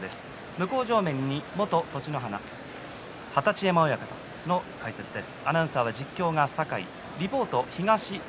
向正面は元栃乃花二十山親方です。